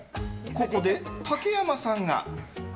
ここで、竹山さんが。